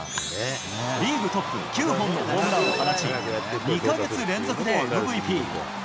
リーグトップ９本のホームランを放ち、２か月連続でＭＶＰ。